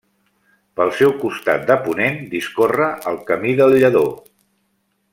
Pel seu costat de ponent discorre el Camí del Lledó.